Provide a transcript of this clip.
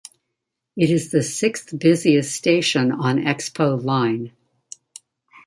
It is the sixth-busiest station on Expo Line.